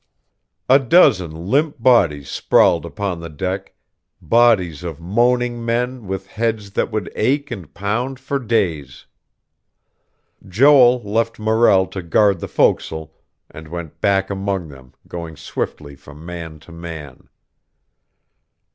A dozen limp bodies sprawled upon the deck, bodies of moaning men with heads that would ache and pound for days.... Joel left Morrell to guard the fo'c's'le, and went back among them, going swiftly from man to man....